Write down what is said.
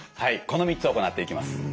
この３つを行っていきます。